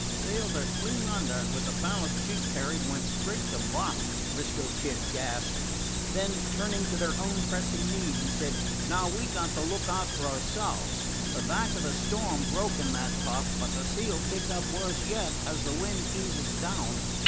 "Sailed her clean under, and, with the ballast she carried, went straight to bottom," 'Frisco Kid gasped. Then, turning to their own pressing need, he said: "Now we 've got to look out for ourselves. The back of the storm broke in that puff, but the sea 'll kick up worse yet as the wind eases down.